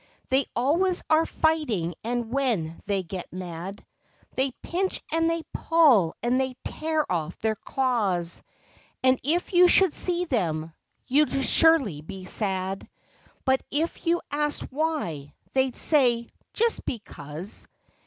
They always are fighting, and when they get mad They pinch and they pull and they tear off their claws, And if you should see them, you'd surely be sad, But if you asked why they'd say,— "just because."